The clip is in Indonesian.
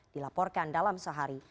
dilaporkan dalam sehari